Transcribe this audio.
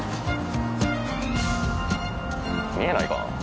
見えないかな？